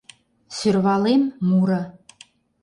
«Сӧрвалем» муро.